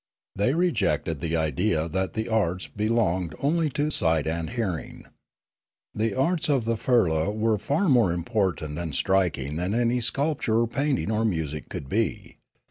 They rejected the idea that the arts belonged only to sight and hear ing. Their arts of the firla were far more important and striking than any sculpture or painting or music could be.